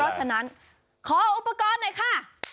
เพราะฉะนั้นขออุปกรณ์หน่อยค่ะ